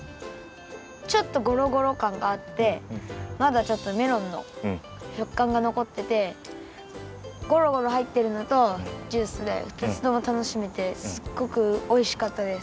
ちょっとゴロゴロかんがあってまだちょっとメロンのしょっかんがのこっててゴロゴロはいってるのとジュースで２つとも楽しめてすっごくおいしかったです。